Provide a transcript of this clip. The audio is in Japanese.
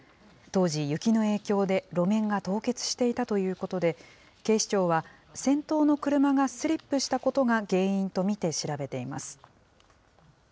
当時、雪の影響で路面が凍結していたということで、警視庁は、先頭の車がスリップしたことが原因と見て調べています。